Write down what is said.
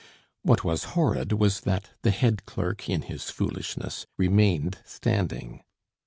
What was horrid was that the head clerk in his foolishness remained standing.